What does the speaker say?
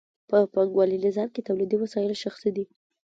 په پانګوالي نظام کې تولیدي وسایل شخصي دي